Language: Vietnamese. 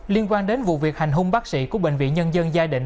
liên quan đến vụ việc hành hung bác sĩ của bệnh viện nhân dân giai định